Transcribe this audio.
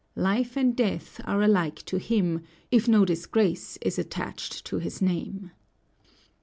Life and death are alike to him, if no disgrace is attached to his name.